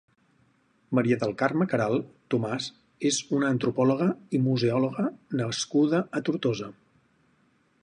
Maria del Carme Queralt Tomàs és una antorpòloga i museòloga nascuda a Tortosa.